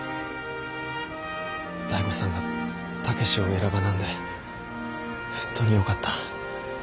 醍醐さんが武を選ばなんで本当によかった。